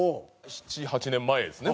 ７８年前ですね